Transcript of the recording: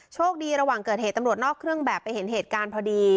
โชคดีระหว่างเกิดเหตุตำรวจนอกเครื่องแบบไปเห็นเหตุการณ์พอดี